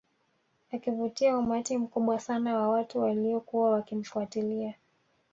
Akivutia umati mkubwa sana wa watu walio kuwa wakimfuatilia